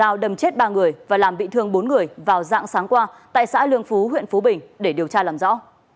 lao đâm chết ba người và làm bị thương bốn người vào dạng sáng qua tại xã lương phú huyện phú bình để điều tra làm rõ